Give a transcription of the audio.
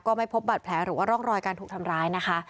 ไม่พบบัตรแผลหรือว่าร่องรอยการถูกทำร้ายนะคะ